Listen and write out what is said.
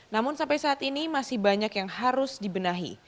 namun sampai saat ini masih banyak yang harus dibenahi